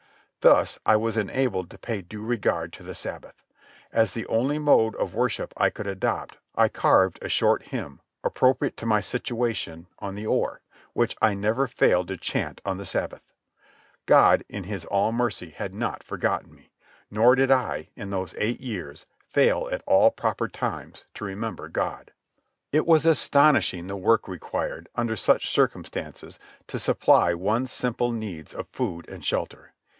Thus I was enabled to pay due regard to the Sabbath. As the only mode of worship I could adopt, I carved a short hymn, appropriate to my situation, on the oar, which I never failed to chant on the Sabbath. God, in His all mercy, had not forgotten me; nor did I, in those eight years, fail at all proper times to remember God. It was astonishing the work required, under such circumstances, to supply one's simple needs of food and shelter.